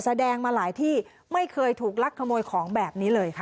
แสดงมาหลายที่ไม่เคยถูกลักขโมยของแบบนี้เลยค่ะ